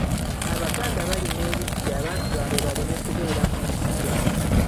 Abaganda balima ebiggya abantu baabwe baleme kubeera mu nsiko.